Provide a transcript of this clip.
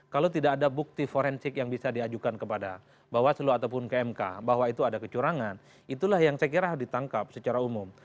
kalau tidak ada bukti forensik yang bisa diajukan kepada bawaslu ataupun kmk bahwa itu ada kecurangan itulah yang saya kira ditangkap secara umum